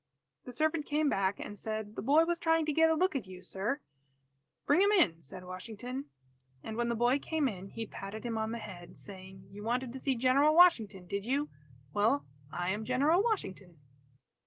The servant came back and said, "The boy was trying to get a look at you, sir." "Bring him in," said Washington. And when the boy came in, he patted him on the head, saying: "You wanted to see General Washington, did you? Well, I am General Washington."